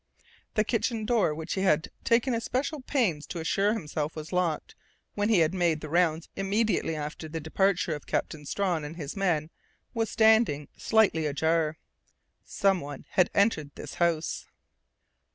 The kitchen door, which he had taken especial pains to assure himself was locked, when he had made the rounds immediately after the departure of Captain Strawn and his men, was standing slightly ajar! _Someone had entered this house!